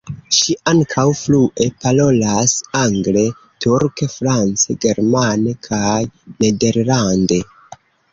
Ŝi ankaŭ flue parolas angle, turke, france, germane kaj nederlande.